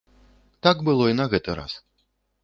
Так было і на гэты раз.